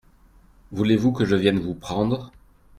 Vous voulez que je vienne vous prendre ?